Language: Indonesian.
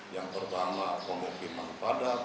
yang pertama pembangunan padat